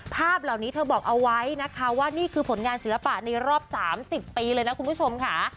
ภาพเหล่านี้เธอบอกเอาไว้นะคะว่านี่คือผลงานศิลปะในรอบ๓๐ปีเลยนะคุณผู้ชมค่ะ